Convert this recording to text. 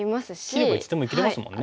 切ればいつでも生きれますもんね。